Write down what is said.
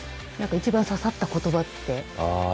一番刺さった言葉って？